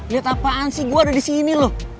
liat apaan sih gue ada disini loh